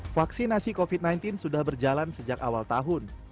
vaksinasi covid sembilan belas sudah berjalan sejak awal tahun